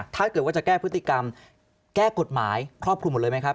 ถ้าเกิดว่าจะแก้พฤติกรรมแก้กฎหมายครอบคลุมหมดเลยไหมครับ